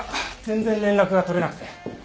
全然連絡が取れなくて。